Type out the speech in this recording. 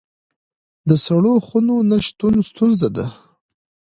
د سړو خونو نشتون ستونزه ده